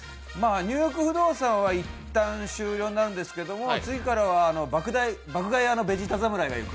「ニューヨーク不動産」はいったん終了なんですけど次からは「爆買いベジータ侍が行く」。